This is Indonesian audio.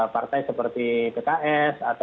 partai seperti pks atau